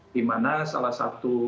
dimana salah satu